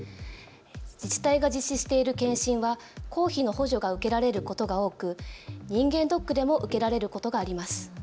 自治体が実施している検診は公費の補助が受けられることが多く人間ドックでも受けられることがあります。